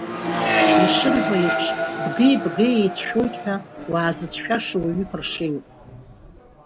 Ишырҳәо еиԥш, бгеи-бгеи еицәшәоит ҳәа, уаазыцәшәаша уаҩы ԥаршеиуп.